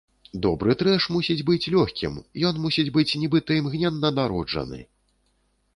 Добры трэш мусіць быць лёгкім, ён мусіць быць нібыта імгненна народжаны.